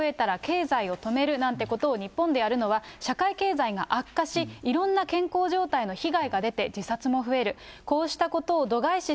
今後、波が増えたら経済を止めるなんてことを日本でやるのは、社会経済が悪化し、いろんな健康状態の被害が出て、自殺も増える。